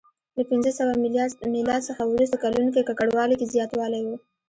له پنځه سوه میلاد څخه وروسته کلونو کې ککړوالي کې زیاتوالی و